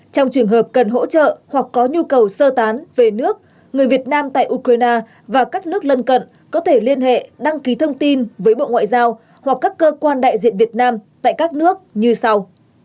trong trường hợp cần hỗ trợ hoặc có nhu cầu sơ tán về nước người việt nam tại ukraine và các nước lân cận có thể liên hệ đăng ký thông tin với bộ ngoại giao hoặc các cơ quan đại diện việt nam tại các nước như sau